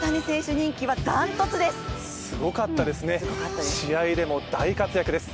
人気はダントツですすごかったですね、試合でも大活躍です。